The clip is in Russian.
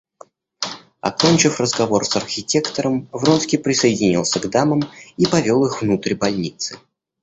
Окончив разговор с архитектором, Вронский присоединился к дамам и повел их внутрь больницы.